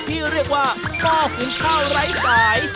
ที่เรียกว่าหม้อหุงข้าวไร้สาย